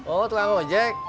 oh tukang ojek